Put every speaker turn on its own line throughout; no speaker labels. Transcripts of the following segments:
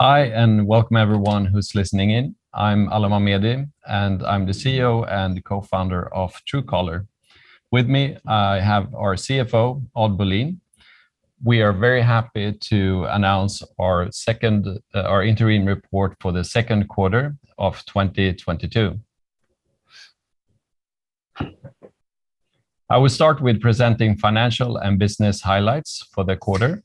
Hi, and welcome everyone who's listening in. I'm Alan Mamedi, and I'm the CEO and Co-founder of Truecaller. With me, I have our CFO, Odd Bolin. We are very happy to announce our second, our interim report for the second quarter of 2022. I will start with presenting financial and business highlights for the quarter.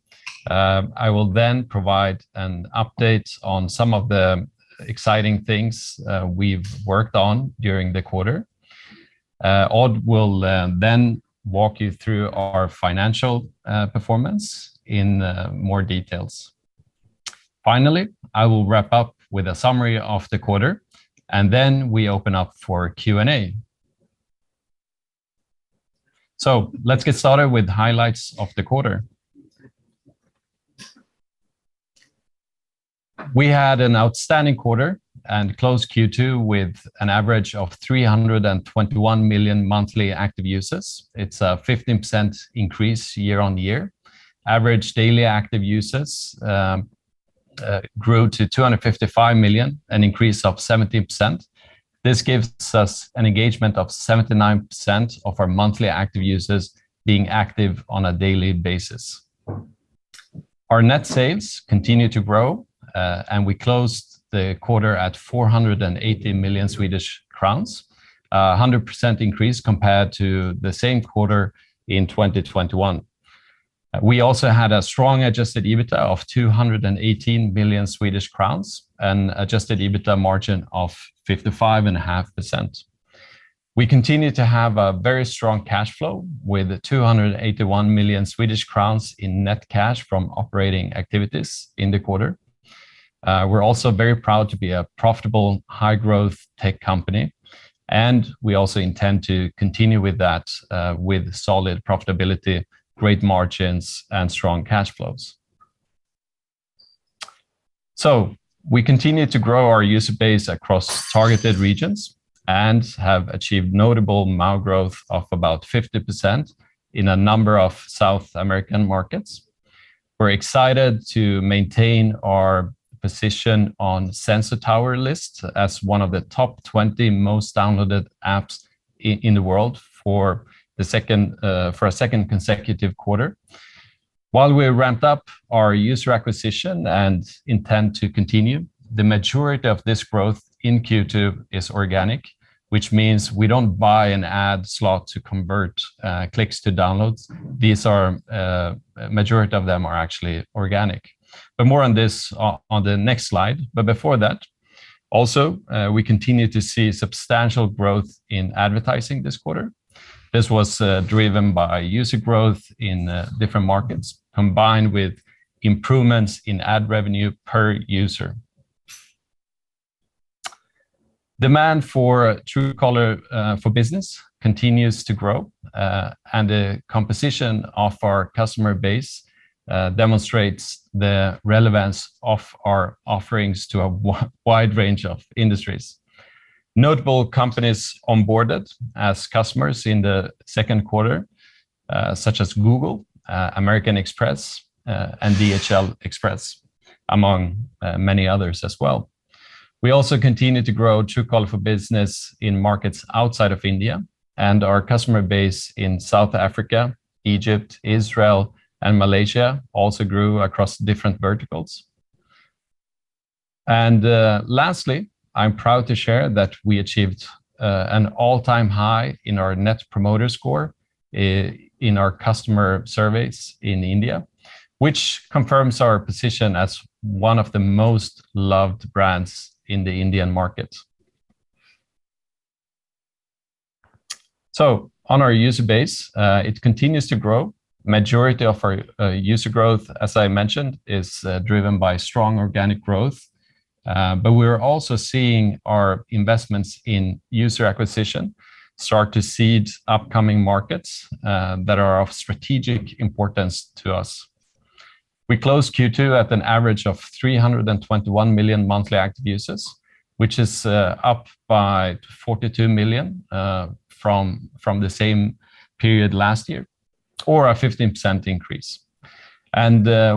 I will then provide an update on some of the exciting things we've worked on during the quarter. Odd will then walk you through our financial performance in more details. Finally, I will wrap up with a summary of the quarter, and then we open up for Q&A. Let's get started with highlights of the quarter. We had an outstanding quarter and closed Q2 with an average of 321 million monthly active users. It's a 15% increase year-on-year. Average daily active users grew to 255 million, an increase of 17%. This gives us an engagement of 79% of our monthly active users being active on a daily basis. Our net sales continue to grow, and we closed the quarter at 480 million Swedish crowns, 100% increase compared to the same quarter in 2021. We also had a strong adjusted EBITDA of 218 million Swedish crowns and adjusted EBITDA margin of 55.5%. We continue to have a very strong cash flow with 281 million Swedish crowns in net cash from operating activities in the quarter. We're also very proud to be a profitable high-growth tech company, and we also intend to continue with that, with solid profitability, great margins, and strong cash flows. We continue to grow our user base across targeted regions and have achieved notable MAU growth of about 50% in a number of South American markets. We're excited to maintain our position on Sensor Tower list as one of the top 20 most downloaded apps in the world for a second consecutive quarter. While we ramped up our user acquisition and intend to continue, the majority of this growth in Q2 is organic, which means we don't buy an ad slot to convert clicks to downloads. These are majority of them are actually organic. More on this on the next slide. Before that, also, we continue to see substantial growth in advertising this quarter. This was driven by user growth in different markets, combined with improvements in ad revenue per user. Demand for Truecaller for Business continues to grow, and the composition of our customer base demonstrates the relevance of our offerings to a wide range of industries. Notable companies onboarded as customers in the second quarter, such as Google, American Express, and DHL Express, among many others as well. We also continue to grow Truecaller for Business in markets outside of India, and our customer base in South Africa, Egypt, Israel, and Malaysia also grew across different verticals. Lastly, I'm proud to share that we achieved an all-time high in our Net Promoter Score in our customer surveys in India, which confirms our position as one of the most loved brands in the Indian market. Our user base continues to grow. Majority of our user growth, as I mentioned, is driven by strong organic growth, but we're also seeing our investments in user acquisition start to seed upcoming markets that are of strategic importance to us. We closed Q2 at an average of 321 million monthly active users, which is up by 42 million from the same period last year, or a 15% increase.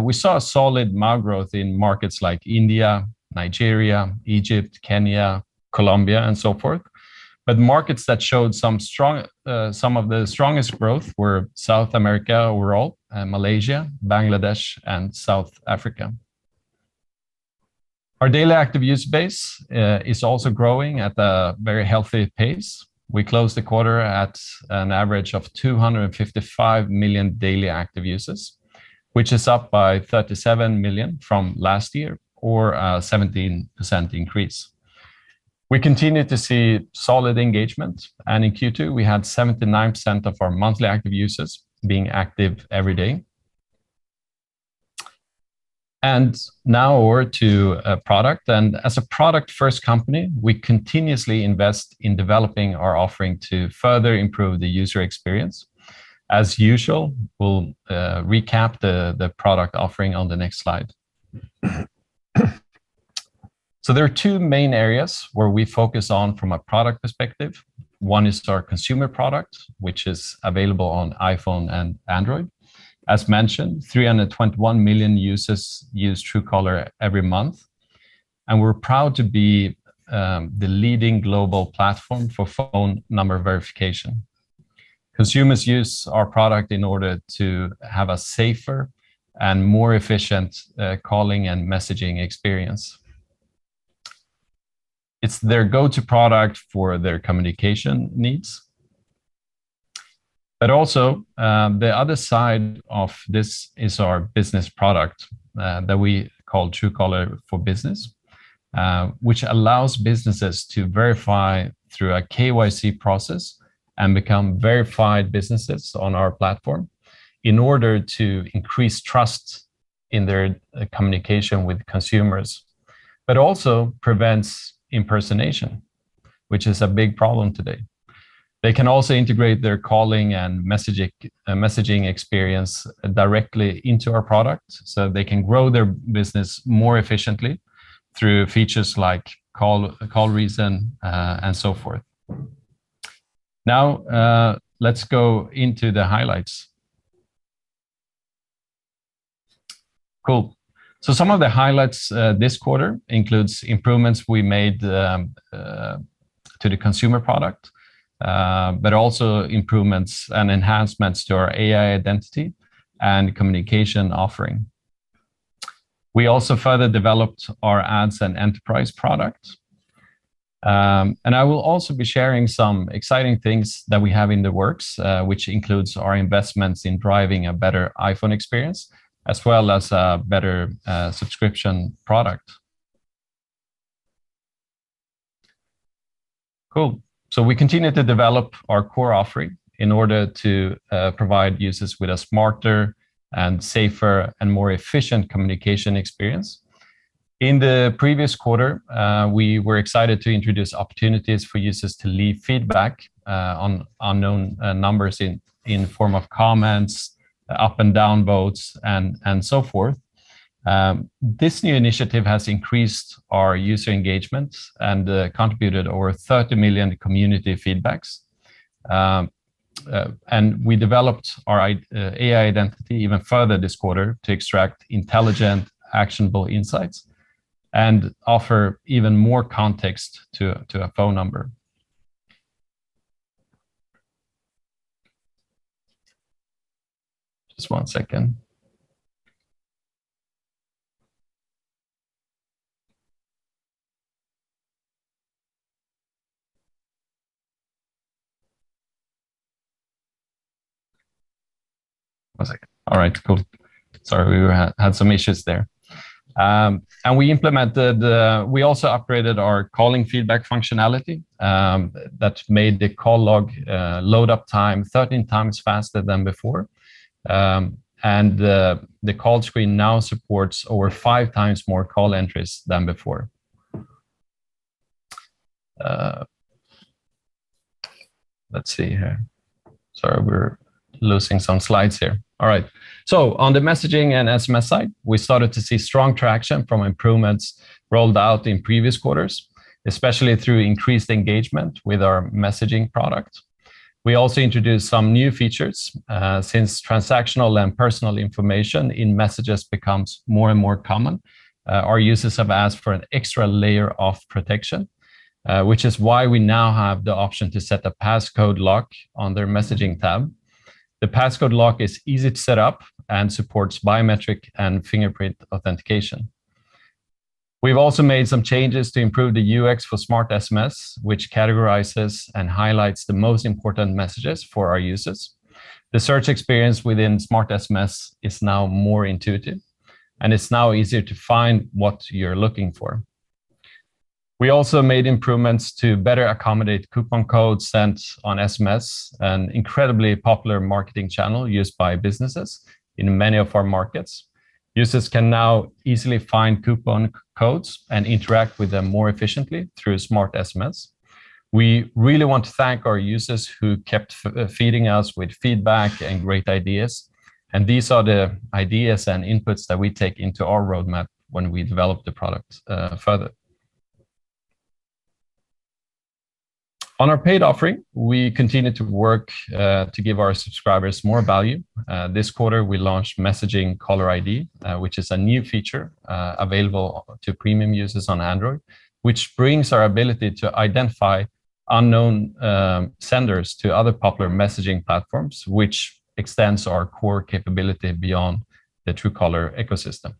We saw a solid MAU growth in markets like India, Nigeria, Egypt, Kenya, Colombia, and so forth. Markets that showed some of the strongest growth were South America overall, Malaysia, Bangladesh, and South Africa. Our daily active user base is also growing at a very healthy pace. We closed the quarter at an average of 255 million daily active users, which is up by 37 million from last year or 17% increase. We continue to see solid engagement, and in Q2, we had 79% of our monthly active users being active every day. Now over to product. As a product-first company, we continuously invest in developing our offering to further improve the user experience. As usual, we'll recap the product offering on the next slide. There are two main areas where we focus on from a product perspective. One is our consumer product, which is available on iPhone and Android. As mentioned, 321 million users use Truecaller every month, and we're proud to be the leading global platform for phone number verification. Consumers use our product in order to have a safer and more efficient calling and messaging experience. It's their go-to product for their communication needs. Also, the other side of this is our business product that we call Truecaller for Business. Which allows businesses to verify through a KYC process and become verified businesses on our platform in order to increase trust in their communication with consumers, but also prevents impersonation, which is a big problem today. They can also integrate their calling and messaging experience directly into our product, so they can grow their business more efficiently through features like call reason and so forth. Now, let's go into the highlights. Cool. Some of the highlights this quarter includes improvements we made to the consumer product but also improvements and enhancements to our AI identity and communication offering. We also further developed our ads and enterprise products. I will also be sharing some exciting things that we have in the works, which includes our investments in driving a better iPhone experience as well as a better subscription product. Cool. We continue to develop our core offering in order to provide users with a smarter and safer and more efficient communication experience. In the previous quarter we were excited to introduce opportunities for users to leave feedback on unknown numbers in form of comments, up and down votes and so forth. This new initiative has increased our user engagement and contributed over 30 million community feedbacks. We developed our AI identity even further this quarter to extract intelligent, actionable insights and offer even more context to a phone number. Just one second. All right. Cool. Sorry, we had some issues there. We also upgraded our calling feedback functionality that made the call log load up time 13x faster than before. The call screen now supports over 5x more call entries than before. Let's see here. Sorry, we're losing some slides here. All right. On the messaging and SMS side, we started to see strong traction from improvements rolled out in previous quarters, especially through increased engagement with our messaging product. We also introduced some new features, since transactional and personal information in messages becomes more and more common, our users have asked for an extra layer of protection, which is why we now have the option to set a passcode lock on their messaging tab. The passcode lock is easy to set up and supports biometric and fingerprint authentication. We've also made some changes to improve the UX for Smart SMS, which categorizes and highlights the most important messages for our users. The search experience within Smart SMS is now more intuitive, and it's now easier to find what you're looking for. We also made improvements to better accommodate coupon codes sent on SMS, an incredibly popular marketing channel used by businesses in many of our markets. Users can now easily find coupon codes and interact with them more efficiently through Smart SMS. We really want to thank our users who kept feeding us with feedback and great ideas, and these are the ideas and inputs that we take into our roadmap when we develop the product further. On our paid offering, we continue to work to give our subscribers more value. This quarter, we launched Messaging Caller ID, which is a new feature available to premium users on Android, which brings our ability to identify unknown senders to other popular messaging platforms, which extends our core capability beyond the Truecaller ecosystem.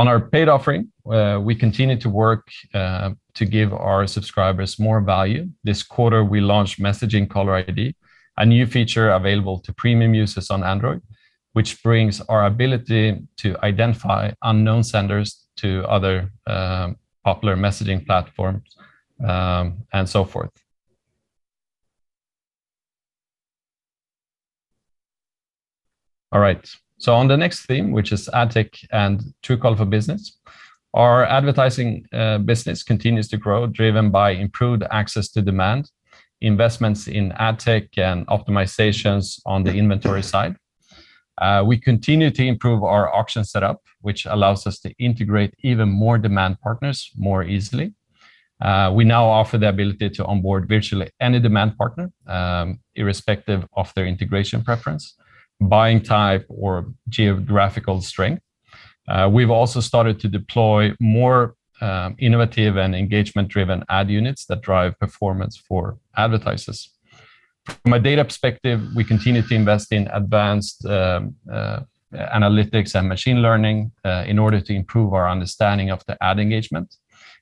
On our paid offering, we continue to work to give our subscribers more value. All right. On the next theme, which is ad tech and Truecaller for Business. Our advertising business continues to grow, driven by improved access to demand, investments in ad tech, and optimizations on the inventory side. We continue to improve our auction setup, which allows us to integrate even more demand partners more easily. We now offer the ability to onboard virtually any demand partner, irrespective of their integration preference, buying type, or geographical strength. We've also started to deploy more innovative and engagement-driven ad units that drive performance for advertisers. From a data perspective, we continue to invest in advanced analytics and machine learning in order to improve our understanding of the ad engagement.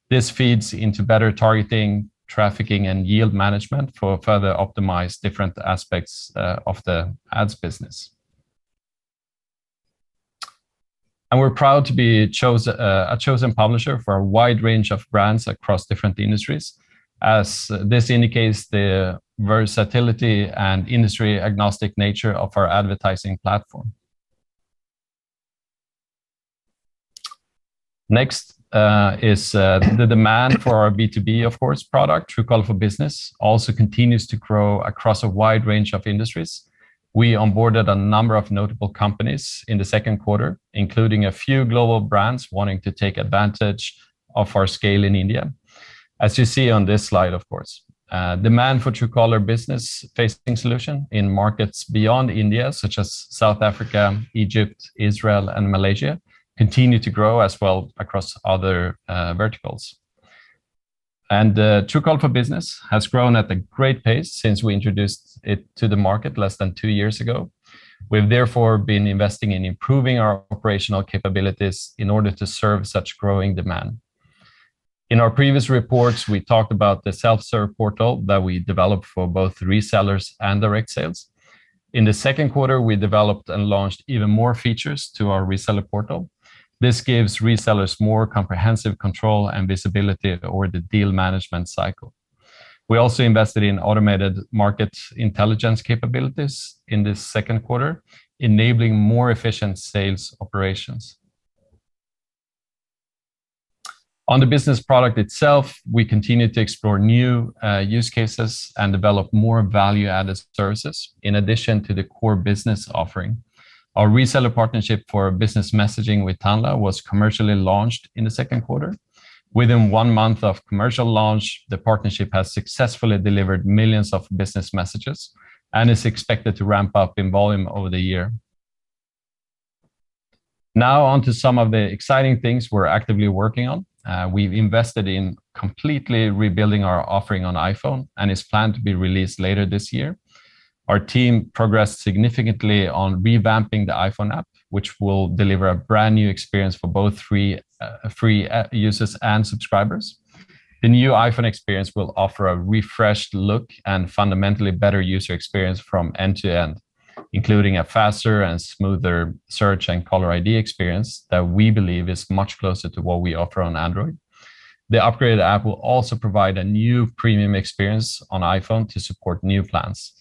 This feeds into better targeting, trafficking, and yield management for further optimize different aspects of the ads business. We're proud to be a chosen publisher for a wide range of brands across different industries, as this indicates the versatility and industry-agnostic nature of our advertising platform. Next is the demand for our B2B, of course, product. Truecaller for Business also continues to grow across a wide range of industries. We onboarded a number of notable companies in the second quarter, including a few global brands wanting to take advantage of our scale in India, as you see on this slide, of course. Demand for Truecaller for Business-facing solution in markets beyond India, such as South Africa, Egypt, Israel, and Malaysia, continue to grow as well across other verticals. Truecaller for Business has grown at a great pace since we introduced it to the market less than two years ago. We've therefore been investing in improving our operational capabilities in order to serve such growing demand. In our previous reports, we talked about the self-serve portal that we developed for both resellers and direct sales. In the second quarter, we developed and launched even more features to our reseller portal. This gives resellers more comprehensive control and visibility over the deal management cycle. We also invested in automated market intelligence capabilities in this second quarter, enabling more efficient sales operations. On the business product itself, we continue to explore new use cases and develop more value-added services in addition to the core business offering. Our reseller partnership for business messaging with Tanla was commercially launched in the second quarter. Within one month of commercial launch, the partnership has successfully delivered millions of business messages and is expected to ramp up in volume over the year. Now on to some of the exciting things we're actively working on. We've invested in completely rebuilding our offering on iPhone, and it's planned to be released later this year. Our team progressed significantly on revamping the iPhone app, which will deliver a brand-new experience for both free users and subscribers. The new iPhone experience will offer a refreshed look and fundamentally better user experience from end to end, including a faster and smoother search and caller ID experience that we believe is much closer to what we offer on Android. The upgraded app will also provide a new premium experience on iPhone to support new plans.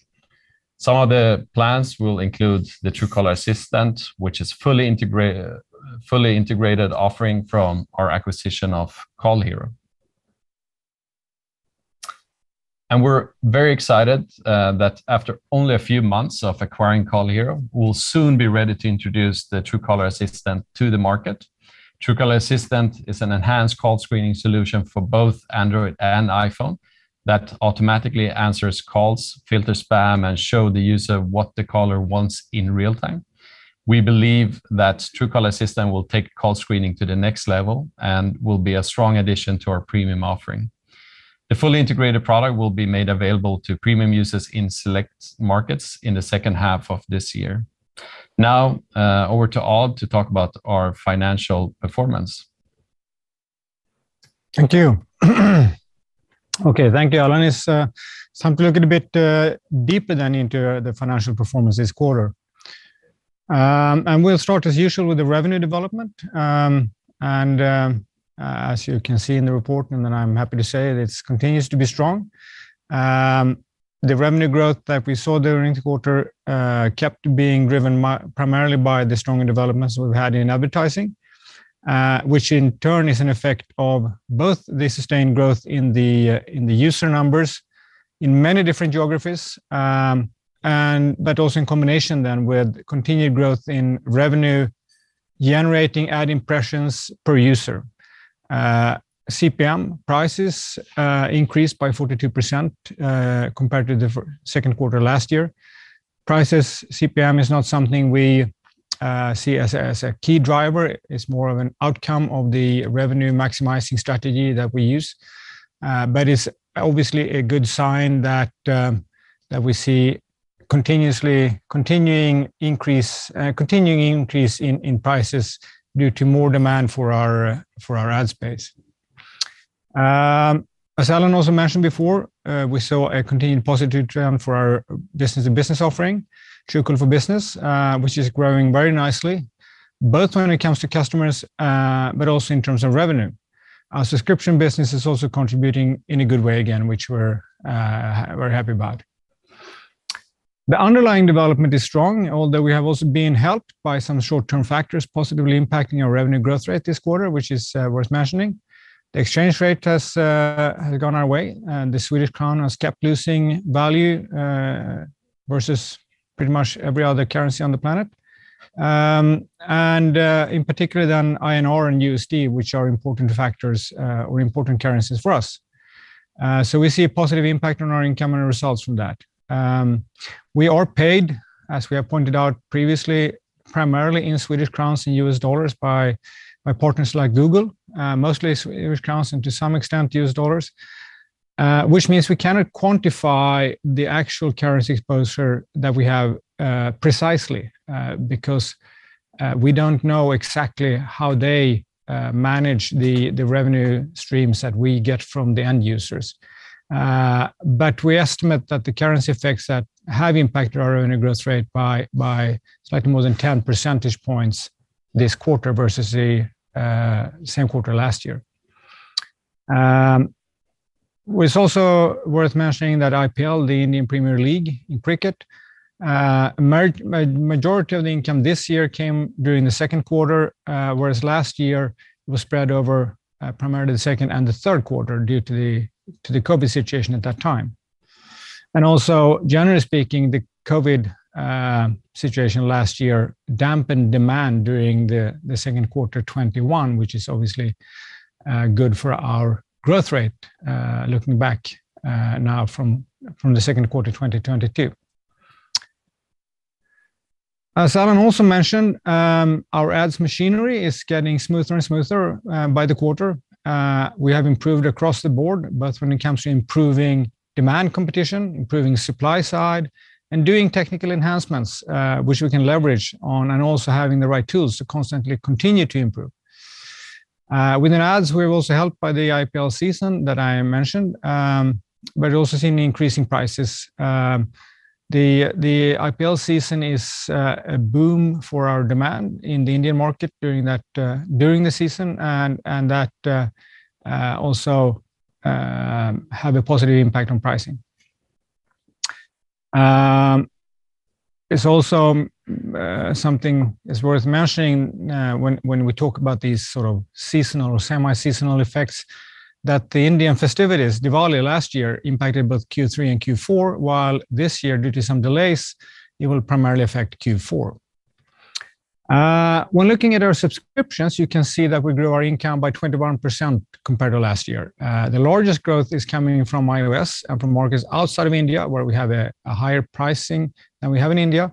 Some of the plans will include the Truecaller Assistant, which is fully-integrated offering from our acquisition of CallHero. We're very excited that after only a few months of acquiring CallHero, we'll soon be ready to introduce the Truecaller Assistant to the market. Truecaller Assistant is an enhanced call screening solution for both Android and iPhone that automatically answers calls, filters spam, and show the user what the caller wants in real time. We believe that Truecaller Assistant will take call screening to the next level and will be a strong addition to our premium offering. The fully integrated product will be made available to premium users in select markets in the second half of this year. Now, over to Odd to talk about our financial performance.
Thank you. Okay. Thank you, Alan. It's time to look a bit deeper then into the financial performance this quarter. We'll start as usual with the revenue development. As you can see in the report, and then I'm happy to say it continues to be strong. The revenue growth that we saw during the quarter kept being driven primarily by the strong developments we've had in advertising, which in turn is an effect of both the sustained growth in the user numbers in many different geographies, and but also in combination then with continued growth in revenue generating ad impressions per user. CPM prices increased by 42% compared to the second quarter last year. CPM is not something we see as a key driver. It's more of an outcome of the revenue maximizing strategy that we use. It's obviously a good sign that we see continuing increase in prices due to more demand for our ad space. As Alan also mentioned before, we saw a continued positive trend for our business-to-business offering, Truecaller for Business, which is growing very nicely, both when it comes to customers, but also in terms of revenue. Our subscription business is also contributing in a good way again, which we're very happy about. The underlying development is strong, although we have also been helped by some short-term factors positively impacting our revenue growth rate this quarter, which is worth mentioning. The exchange rate has gone our way, and the Swedish krona has kept losing value versus pretty much every other currency on the planet. In particular then INR and USD, which are important factors or important currencies for us. We see a positive impact on our income and results from that. We are paid, as we have pointed out previously, primarily in Swedish krona and U.S. Dollars by partners like Google, mostly Swedish krona and to some extent U.S. dollars, which means we cannot quantify the actual currency exposure that we have precisely, because we don't know exactly how they manage the revenue streams that we get from the end users. We estimate that the currency effects that have impacted our revenue growth rate by slightly more than 10 percentage points this quarter versus the same quarter last year. It's also worth mentioning that IPL, the Indian Premier League in cricket, majority of the income this year came during the second quarter, whereas last year it was spread over primarily the second and the third quarter due to the COVID situation at that time. Generally speaking, the COVID situation last year dampened demand during the second quarter 2021, which is obviously good for our growth rate looking back now from the second quarter 2022. As Alan also mentioned, our ads machinery is getting smoother and smoother by the quarter. We have improved across the board, both when it comes to improving demand competition, improving supply side, and doing technical enhancements, which we can leverage on, and also having the right tools to constantly continue to improve. Within ads, we were also helped by the IPL season that I mentioned, but we're also seeing increasing prices. The IPL season is a boom for our demand in the Indian market during the season and that also had a positive impact on pricing. It's also something that's worth mentioning when we talk about these sort of seasonal or semi-seasonal effects, that the Indian festivities, Diwali last year impacted both Q3 and Q4, while this year, due to some delays, it will primarily affect Q4. When looking at our subscriptions, you can see that we grew our income by 21% compared to last year. The largest growth is coming from iOS and from markets outside of India, where we have a higher pricing than we have in India.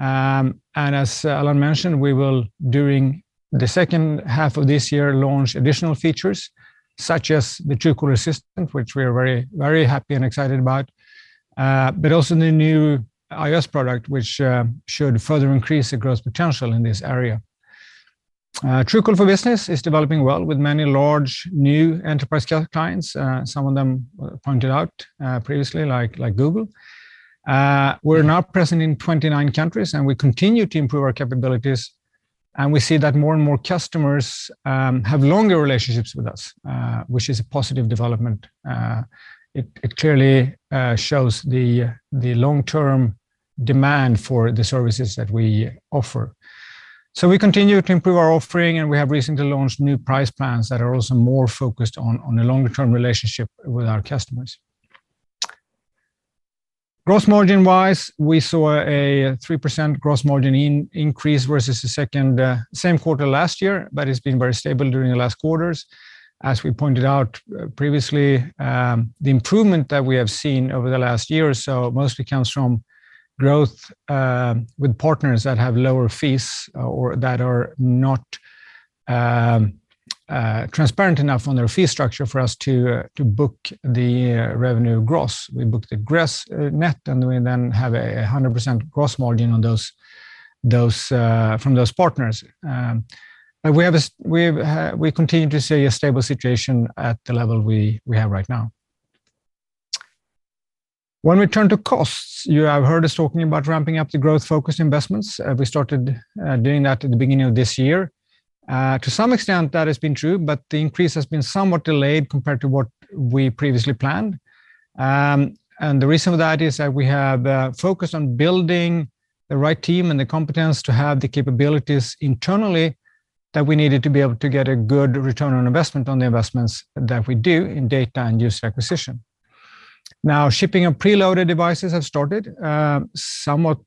As Alan mentioned, we will during the second half of this year launch additional features such as the Truecaller Assistant, which we are very happy and excited about, but also the new iOS product, which should further increase the growth potential in this area. Truecaller for Business is developing well with many large new enterprise clients, some of them pointed out previously, like Google. We're now present in 29 countries, and we continue to improve our capabilities, and we see that more and more customers have longer relationships with us, which is a positive development. It clearly shows the long-term demand for the services that we offer. We continue to improve our offering, and we have recently launched new price plans that are also more focused on a longer-term relationship with our customers. Gross margin-wise, we saw a 3% gross margin increase versus the same quarter last year, but it's been very stable during the last quarters. As we pointed out previously, the improvement that we have seen over the last year or so mostly comes from growth with partners that have lower fees or that are not transparent enough on their fee structure for us to book the revenue gross. We book the gross net, and we then have a 100% gross margin on those from those partners. We continue to see a stable situation at the level we have right now. When we turn to costs, you have heard us talking about ramping up the growth-focused investments. We started doing that at the beginning of this year. To some extent that has been true, but the increase has been somewhat delayed compared to what we previously planned. The reason for that is that we have focused on building the right team and the competence to have the capabilities internally that we needed to be able to get a good return on investment on the investments that we do in data and user acquisition. Now, shipping of preloaded devices have started somewhat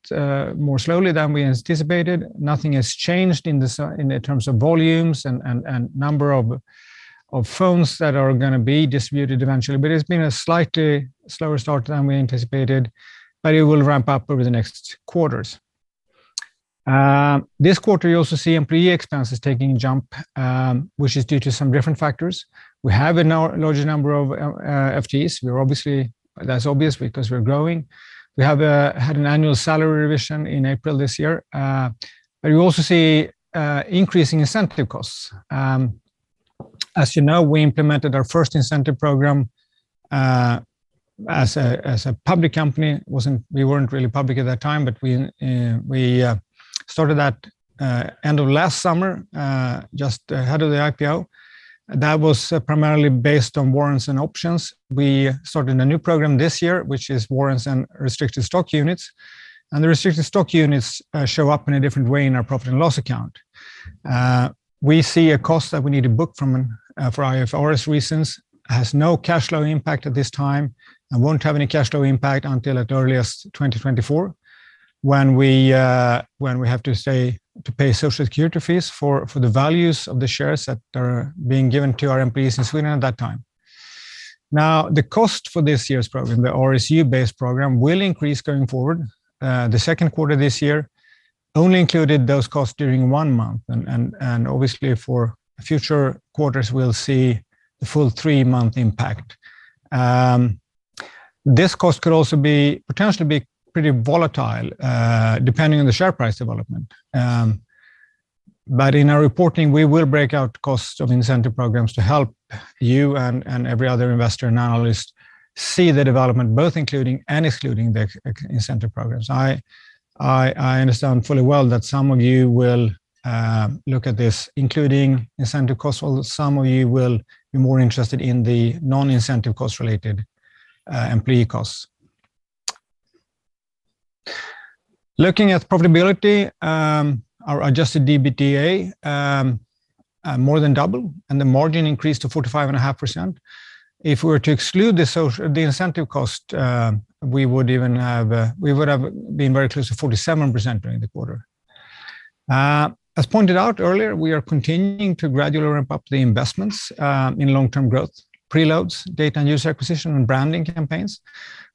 more slowly than we anticipated. Nothing has changed in terms of volumes and number of phones that are gonna be distributed eventually, but it's been a slightly slower start than we anticipated, but it will ramp up over the next quarters. This quarter, you also see employee expenses taking a jump, which is due to some different factors. We have a now larger number of FTEs. That's obvious because we're growing. We have had an annual salary revision in April this year. You also see increasing incentive costs. As you know, we implemented our first incentive program as a public company. We weren't really public at that time, but we started that end of last summer just ahead of the IPO. That was primarily based on warrants and options. We started a new program this year, which is warrants and restricted stock units, and the restricted stock units show up in a different way in our profit and loss account. We see a cost that we need to book for IFRS reasons, has no cash flow impact at this time, and won't have any cash flow impact until, at earliest, 2024 when we have to say, to pay Social Security fees for the values of the shares that are being given to our employees in Sweden at that time. Now, the cost for this year's program, the RSU-based program, will increase going forward. The second quarter this year only included those costs during one month and obviously for future quarters we'll see the full three-month impact. This cost could also potentially be pretty volatile, depending on the share price development. In our reporting, we will break out costs of incentive programs to help you and every other investor and analyst see the development, both including and excluding the ex-incentive programs. I understand fully well that some of you will look at this, including incentive costs, while some of you will be more interested in the non-incentive cost related employee costs. Looking at profitability, our adjusted EBITDA more than doubled, and the margin increased to 45.5%. If we were to exclude the incentive cost, we would even have been very close to 47% during the quarter. As pointed out earlier, we are continuing to gradually ramp up the investments in long-term growth, preloads, data and user acquisition, and branding campaigns.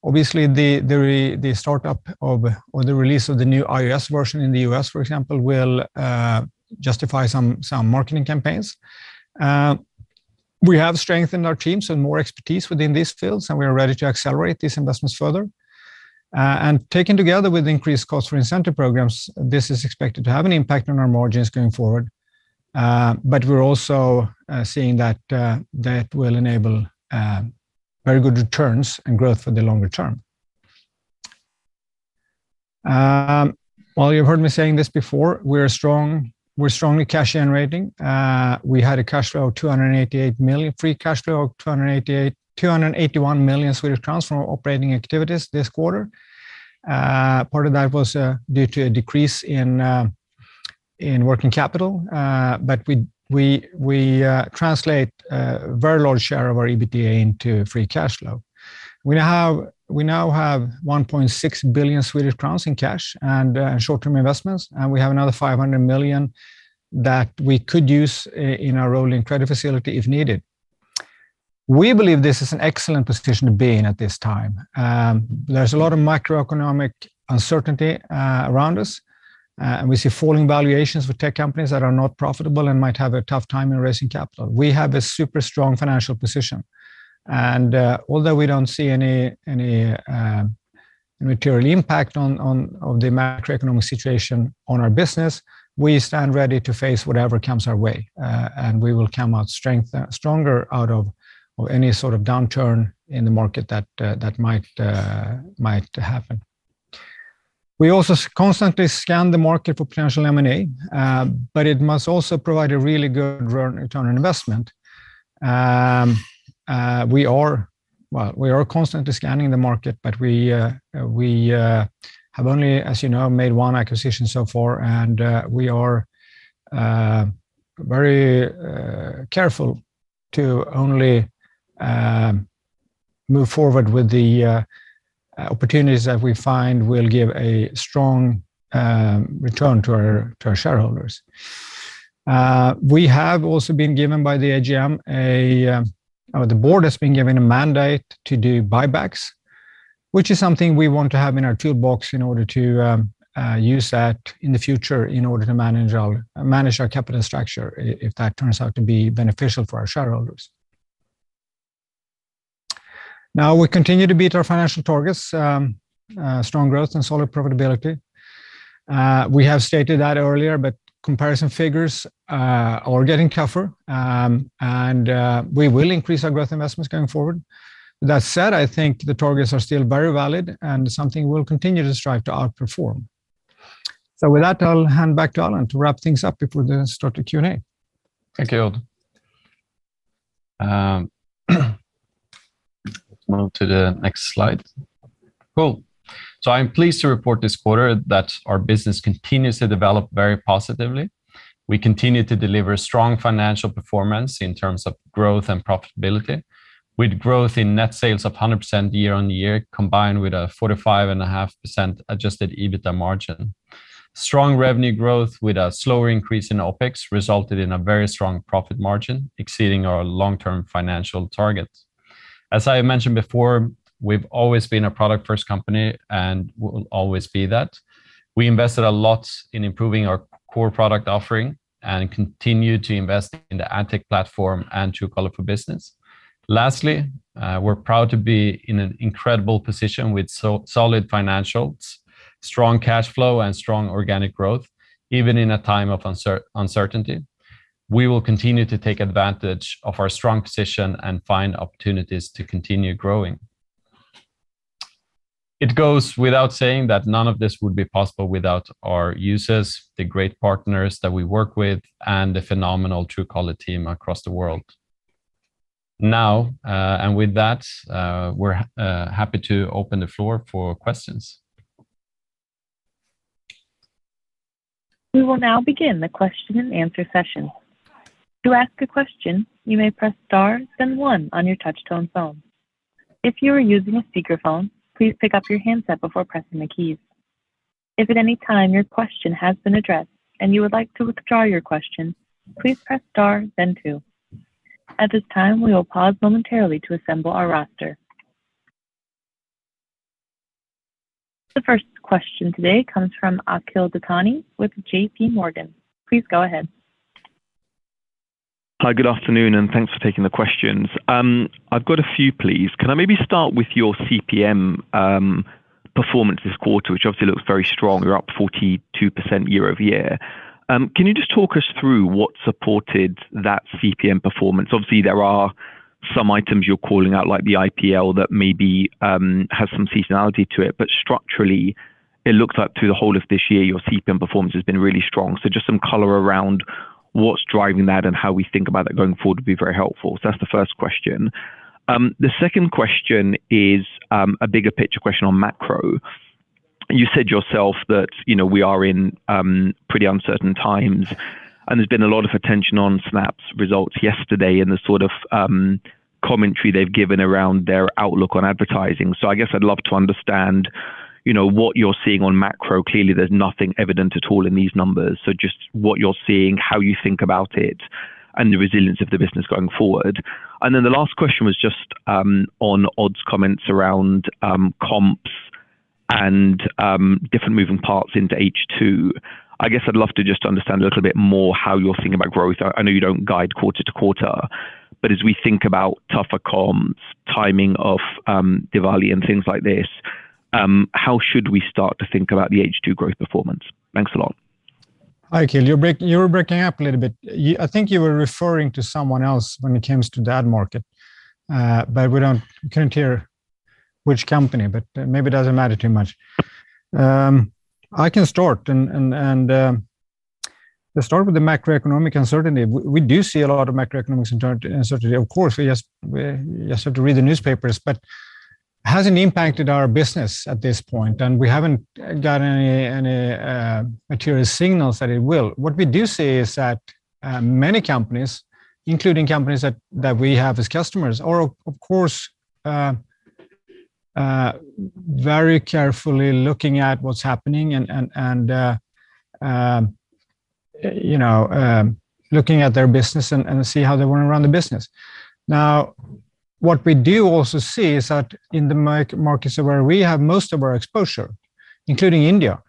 Obviously, the startup or the release of the new iOS version in the U.S., for example, will justify some marketing campaigns. We have strengthened our teams and more expertise within these fields, and we are ready to accelerate these investments further. Taken together with increased costs for incentive programs, this is expected to have an impact on our margins going forward, but we're also seeing that that will enable very good returns and growth for the longer term. Well, you've heard me saying this before, we're strongly cash generating. We had free cash flow of 281 million Swedish crowns from operating activities this quarter. Part of that was due to a decrease in working capital. We translate a very large share of our EBITDA into free cash flow. We now have 1.6 billion Swedish crowns in cash and short-term investments, and we have another 500 million that we could use in our rolling credit facility if needed. We believe this is an excellent position to be in at this time. There's a lot of macroeconomic uncertainty around us, and we see falling valuations for tech companies that are not profitable and might have a tough time in raising capital. We have a super strong financial position, and although we don't see any material impact on the macroeconomic situation on our business, we stand ready to face whatever comes our way, and we will come out stronger out of any sort of downturn in the market that might happen. We also constantly scan the market for potential M&A, but it must also provide a really good return on investment. We are, well, we are constantly scanning the market, but we have only, as you know, made one acquisition so far and we are very careful to only move forward with the opportunities that we find will give a strong return to our shareholders. We have also been given by the AGM. Or the board has been given a mandate to do buybacks, which is something we want to have in our toolbox in order to use that in the future in order to manage our capital structure if that turns out to be beneficial for our shareholders. Now, we continue to beat our financial targets, strong growth and solid profitability. We have stated that earlier, but comparison figures are getting tougher, and we will increase our growth investments going forward. That said, I think the targets are still very valid and something we'll continue to strive to outperform. With that, I'll hand back to Alan to wrap things up before we then start the Q&A.
Thank you, Odd. Let's move to the next slide. Cool. I'm pleased to report this quarter that our business continues to develop very positively. We continue to deliver strong financial performance in terms of growth and profitability, with growth in net sales of 100% year-on-year combined with a 45.5% adjusted EBITDA margin. Strong revenue growth with a slower increase in OpEx resulted in a very strong profit margin, exceeding our long-term financial targets. As I mentioned before, we've always been a product-first company and we will always be that. We invested a lot in improving our core product offering and continue to invest in the ad tech platform and Truecaller for Business. Lastly, we're proud to be in an incredible position with so solid financials, strong cash flow, and strong organic growth, even in a time of uncertainty. We will continue to take advantage of our strong position and find opportunities to continue growing. It goes without saying that none of this would be possible without our users, the great partners that we work with, and the phenomenal Truecaller team across the world. Now with that, we're happy to open the floor for questions.
We will now begin the question-and-answer session. To ask a question, you may press star then one on your touchtone phone. If you are using a speakerphone, please pick up your handset before pressing the keys. If at any time your question has been addressed and you would like to withdraw your question, please press star then two. At this time, we will pause momentarily to assemble our roster. The first question today comes from Akhil Dattani with JPMorgan. Please go ahead.
Hi. Good afternoon, and thanks for taking the questions. I've got a few, please. Can I maybe start with your CPM performance this quarter? Which obviously looks very strong, you're up 42% year-over-year. Can you just talk us through what supported that CPM performance? Obviously, there are some items you're calling out, like the IPL, that maybe has some seasonality to it. Structurally, it looks like through the whole of this year your CPM performance has been really strong. Just some color around what's driving that and how we think about that going forward would be very helpful. That's the first question. The second question is a bigger picture question on macro. You said yourself that, you know, we are in pretty uncertain times, and there's been a lot of attention on Snap's results yesterday and the sort of commentary they've given around their outlook on advertising. I guess I'd love to understand, you know, what you're seeing on macro. Clearly, there's nothing evident at all in these numbers. Just what you're seeing, how you think about it, and the resilience of the business going forward. Then the last question was just on Odd's comments around comps and different moving parts into H2. I guess I'd love to just understand a little bit more how you're thinking about growth. I know you don't guide quarter-to-quarter, but as we think about tougher comps, timing of Diwali and things like this, how should we start to think about the H2 growth performance? Thanks a lot.
Hi Akhil, you were breaking up a little bit. I think you were referring to someone else when it comes to that market, but we couldn't hear which company, but maybe it doesn't matter too much. I can start. Let's start with the macroeconomic uncertainty. We do see a lot of macroeconomic uncertainty, of course. We just have to read the newspapers, but it hasn't impacted our business at this point, and we haven't got any material signals that it will. What we do see is that many companies, including companies that we have as customers, are of course very carefully looking at what's happening and you know looking at their business and see how they wanna run the business. Now, what we do also see is that in the markets where we have most of our exposure, including India,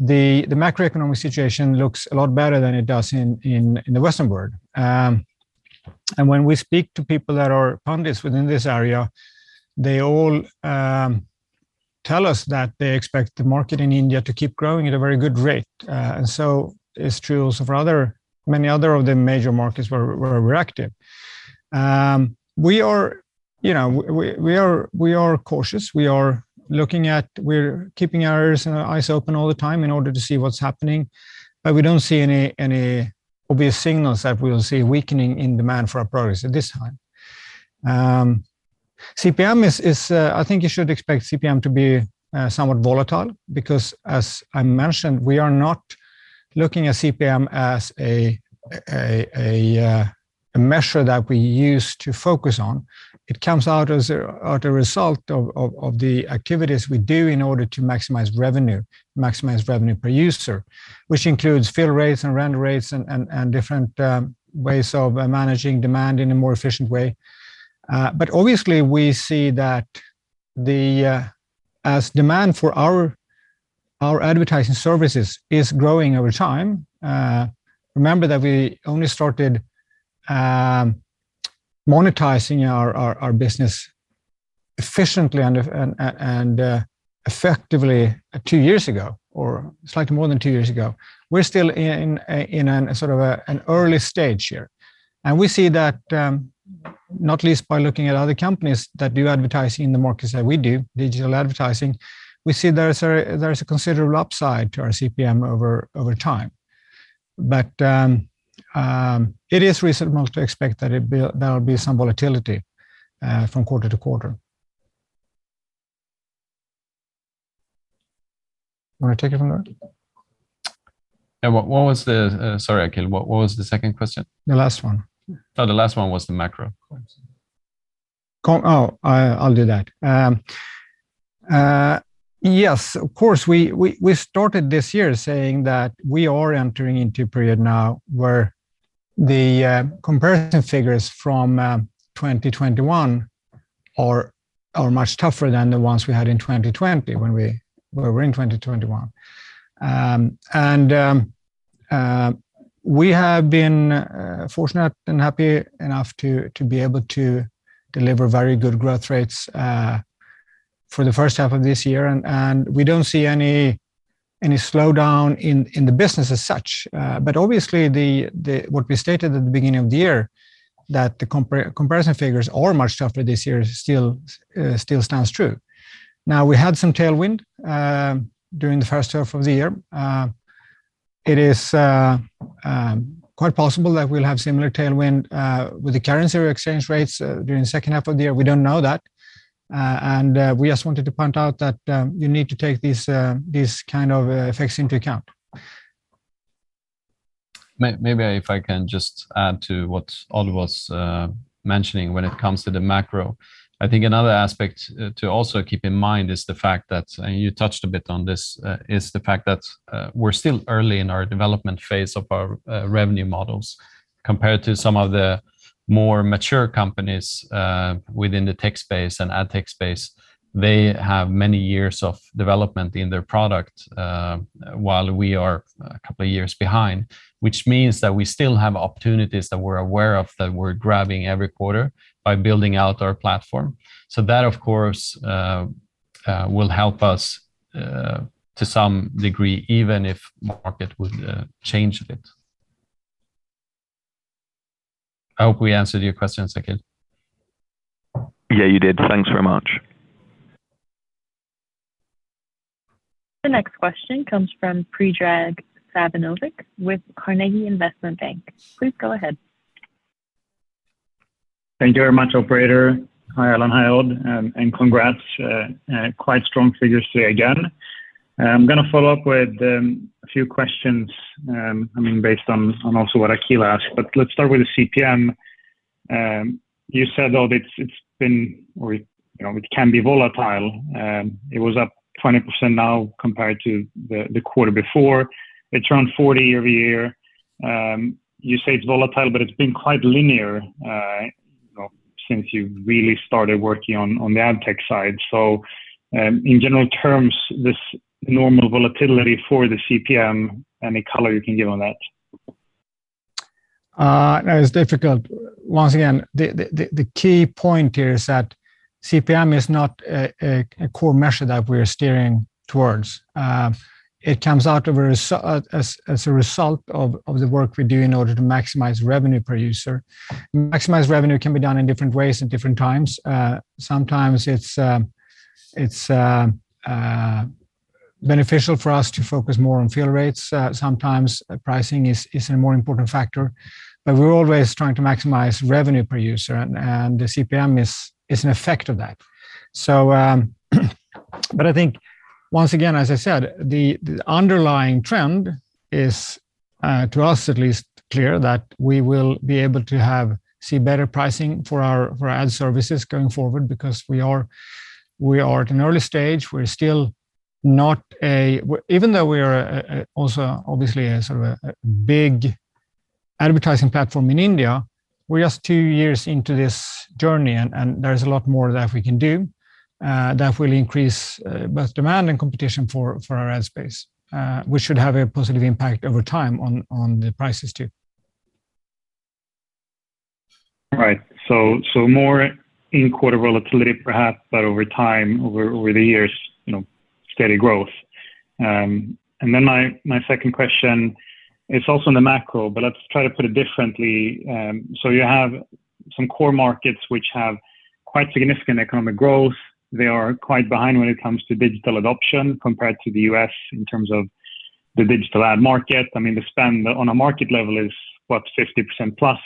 the macroeconomic situation looks a lot better than it does in the Western world. When we speak to people that are pundits within this area, they all tell us that they expect the market in India to keep growing at a very good rate. It's true also for many other of the major markets where we're active. You know, we are cautious. We're keeping our ears and our eyes open all the time in order to see what's happening, but we don't see any obvious signals that we will see a weakening in demand for our products at this time. CPM is... I think you should expect CPM to be somewhat volatile because, as I mentioned, we are not looking at CPM as a measure that we use to focus on. It comes out as a result of the activities we do in order to maximize revenue per user, which includes fill rates and run rates and different ways of managing demand in a more efficient way. Obviously we see that as demand for our advertising services is growing over time. Remember that we only started monetizing our business efficiently and effectively two years ago, or slightly more than two years ago. We're still in a sort of an early stage here. We see that, not least by looking at other companies that do advertising in the markets that we do, digital advertising, we see there is a considerable upside to our CPM over time. It is reasonable to expect that there will be some volatility from quarter-to-quarter. Wanna take it from there?
Yeah. Sorry, Akhil. What was the second question?
The last one.
Oh, the last one was the macro.
Yes, of course, we started this year saying that we are entering into a period now where the comparison figures from 2021 are much tougher than the ones we had in 2020 when we were in 2021. We have been fortunate and happy enough to be able to deliver very good growth rates for the first half of this year. We don't see any slowdown in the business as such. Obviously what we stated at the beginning of the year, that the comparison figures are much tougher this year still stands true. Now, we had some tailwind during the first half of the year. It is quite possible that we'll have similar tailwind with the currency exchange rates during the second half of the year. We don't know that. We just wanted to point out that you need to take these kind of effects into account.
Maybe if I can just add to what Odd was mentioning when it comes to the macro. I think another aspect to also keep in mind is the fact that, and you touched a bit on this, is the fact that we're still early in our development phase of our revenue models compared to some of the more mature companies within the tech space and ad tech space. They have many years of development in their product while we are a couple of years behind, which means that we still have opportunities that we're aware of, that we're grabbing every quarter by building out our platform. That, of course, will help us to some degree, even if market would change a bit. I hope we answered your question, Akhil.
Yeah, you did. Thanks very much.
The next question comes from Predrag Savinovic with Carnegie Investment Bank. Please go ahead.
Thank you very much, operator. Hi, Alan, hi, Odd, and congrats, quite strong figures today again. I'm gonna follow up with a few questions, I mean, based on also what Akhil asked, but let's start with the CPM. You said, Odd, it's been, or you know, it can be volatile. It was up 20% now compared to the quarter before. It's around 40% year-over-year. You say it's volatile, but it's been quite linear, you know, since you really started working on the ad tech side. In general terms, this normal volatility for the CPM, any color you can give on that?
It's difficult. Once again, the key point here is that CPM is not a core measure that we are steering towards. It comes out as a result of the work we do in order to maximize revenue per user. Maximized revenue can be done in different ways at different times. Sometimes it's beneficial for us to focus more on fill rates. Sometimes pricing is a more important factor. We're always trying to maximize revenue per user and the CPM is an effect of that. I think once again, as I said, the underlying trend is, to us at least, clear that we will be able to see better pricing for our ad services going forward because we are at an early stage. Even though we are also obviously a sort of a big advertising platform in India, we're just two years into this journey and there is a lot more that we can do that will increase both demand and competition for our ad space. We should have a positive impact over time on the prices too.
Right. More in-quarter volatility perhaps, but over time, over the years, you know, steady growth. My second question is also on the macro, but let's try to put it differently. You have some core markets which have quite significant economic growth. They are quite behind when it comes to digital adoption compared to the U.S. in terms of the digital ad market. I mean, the spend on a market level is, what, 50%+.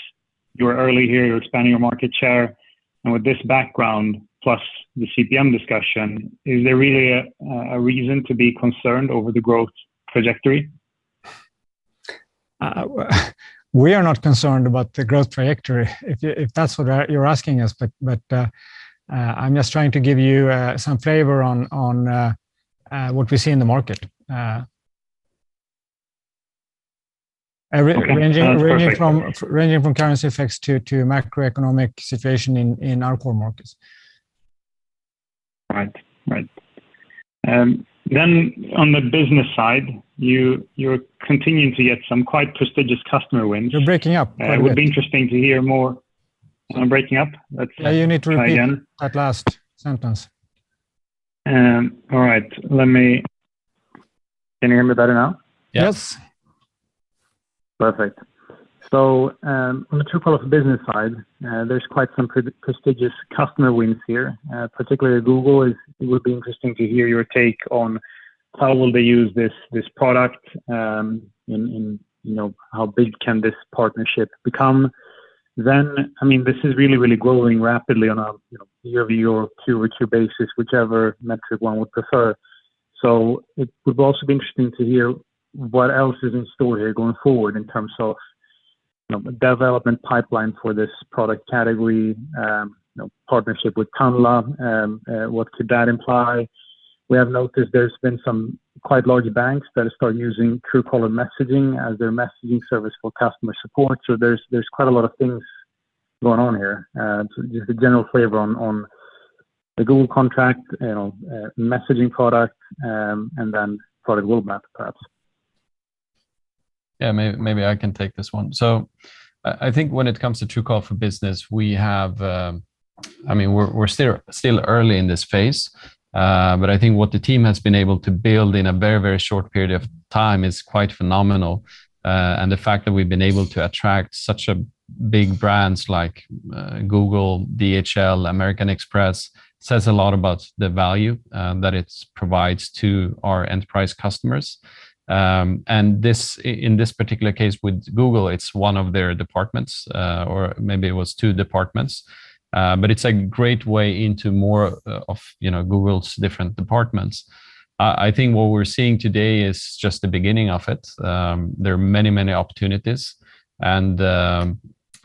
You're early here, you're expanding your market share. With this background plus the CPM discussion, is there really a reason to be concerned over the growth trajectory?
We are not concerned about the growth trajectory if that's what you're asking us. I'm just trying to give you some flavor on what we see in the market, ranging from. Ranging from currency effects to macroeconomic situation in our core markets.
Right. On the business side, you're continuing to get some quite prestigious customer wins.
You're breaking up quite a bit.
It would be interesting to hear more. Am I breaking up? Let's try again.
Yeah, you need to repeat that last sentence.
All right. Can you hear me better now?
Yes.
Perfect. On the Truecaller for Business side, there's quite some prestigious customer wins here, particularly Google. It would be interesting to hear your take on how will they use this product, and you know, how big can this partnership become? I mean, this is really growing rapidly on a year-over-year or Q-over-Q basis, whichever metric one would prefer. It would also be interesting to hear what else is in store here going forward in terms of development pipeline for this product category, you know, partnership with Tanla, what could that imply? We have noticed there's been some quite large banks that have started using Truecaller messaging as their messaging service for customer support. There's quite a lot of things going on here. Just a general flavor on the Google contract, you know, messaging product, and then product roadmap perhaps.
Yeah, maybe I can take this one. I think when it comes to Truecaller for Business, I mean, we're still early in this phase, but I think what the team has been able to build in a very short period of time is quite phenomenal. The fact that we've been able to attract such a big brands like Google, DHL, American Express says a lot about the value that it provides to our enterprise customers. In this particular case with Google, it's one of their departments or maybe it was two departments. It's a great way into more of, you know, Google's different departments. I think what we're seeing today is just the beginning of it. There are many opportunities and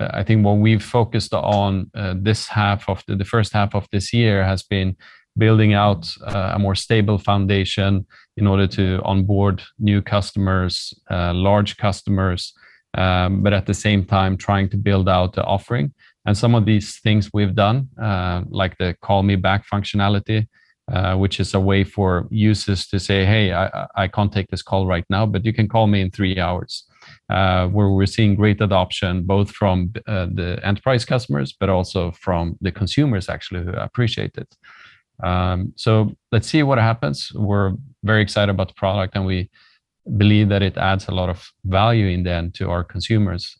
I think what we've focused on, the first half of this year has been building out a more stable foundation in order to onboard new customers, large customers, but at the same time trying to build out the offering. Some of these things we've done, like the Call Me Back functionality, which is a way for users to say, "Hey, I can't take this call right now, but you can call me in three hours," where we're seeing great adoption, both from the enterprise customers, but also from the consumers actually who appreciate it. Let's see what happens. We're very excited about the product, and we believe that it adds a lot of value in the end to our consumers,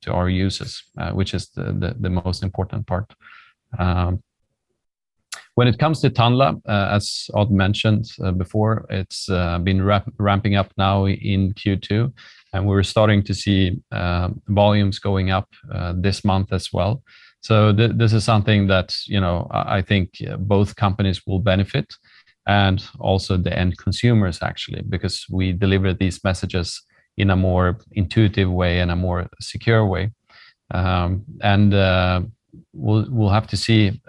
to our users, which is the most important part. When it comes to Tanla, as Odd mentioned before, it's been ramping up now in Q2, and we're starting to see volumes going up this month as well. This is something that, you know, I think both companies will benefit and also the end consumers actually, because we deliver these messages in a more intuitive way and a more secure way. We'll have to see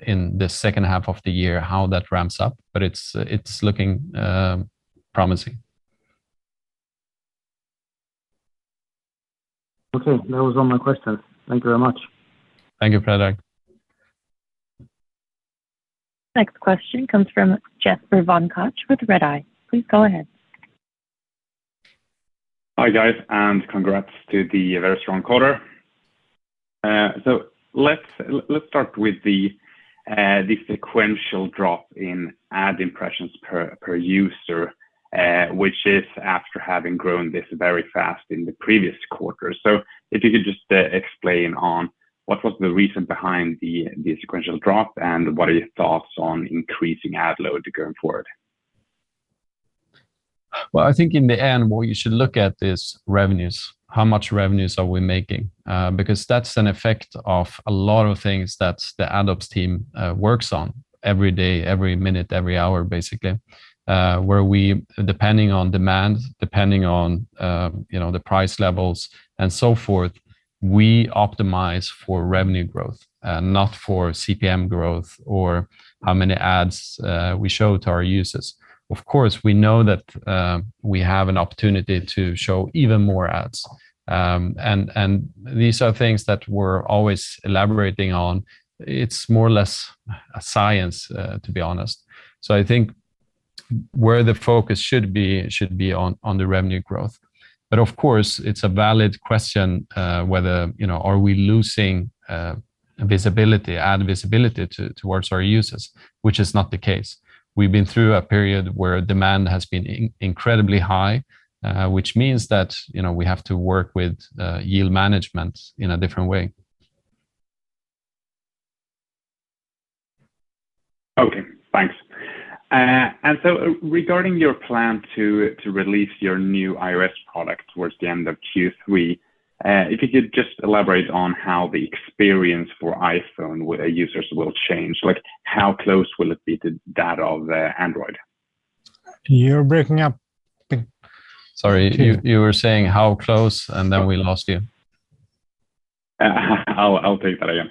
in the second half of the year how that ramps up, but it's looking promising.
Okay. That was all my questions. Thank you very much.
Thank you, Predrag.
Next question comes from Jesper von Koch with Redeye. Please go ahead.
Hi, guys, and congrats to the very strong quarter. Let's start with the sequential drop in ad impressions per user, which is after having grown this very fast in the previous quarter. If you could just explain on what was the reason behind the sequential drop, and what are your thoughts on increasing ad load going forward?
Well, I think in the end, what you should look at is revenues. How much revenues are we making? Because that's an effect of a lot of things that the ad ops team works on every day, every minute, every hour, basically, where we, depending on demand, depending on, you know, the price levels and so forth, we optimize for revenue growth, not for CPM growth or how many ads we show to our users. Of course, we know that we have an opportunity to show even more ads, and these are things that we're always elaborating on. It's more or less a science, to be honest. I think where the focus should be, it should be on the revenue growth. Of course, it's a valid question, whether, you know, are we losing visibility, ad visibility towards our users, which is not the case. We've been through a period where demand has been incredibly high, which means that, you know, we have to work with yield management in a different way.
Okay. Thanks. Regarding your plan to release your new iOS product towards the end of Q3, if you could just elaborate on how the experience for iPhone users will change. Like, how close will it be to that of the Android?
You're breaking up.
Sorry. You were saying how close, and then we lost you.
I'll take that again.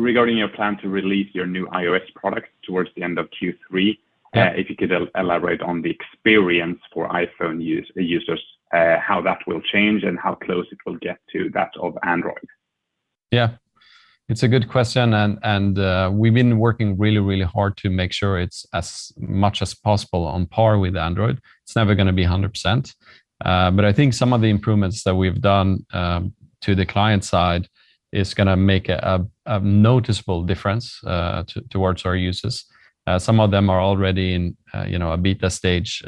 Regarding your plan to release your new iOS product towards the end of Q3.
Yeah.
If you could elaborate on the experience for iPhone users, how that will change and how close it will get to that of Android?
Yeah. It's a good question, and we've been working really hard to make sure it's as much as possible on par with Android. It's never gonna be 100%, but I think some of the improvements that we've done to the client side is gonna make a noticeable difference towards our users. Some of them are already in, you know, a beta stage,